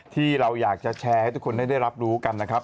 ที่เราอยากจะแชร์ให้ทุกคนได้รับรู้กันนะครับ